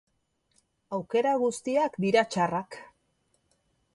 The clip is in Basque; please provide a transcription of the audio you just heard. Aukera guztiak dira txarrak.